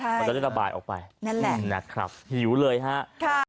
มันจะได้ระบายออกไปนั่นแหละนะครับหิวเลยฮะค่ะ